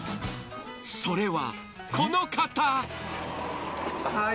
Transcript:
それはこの方。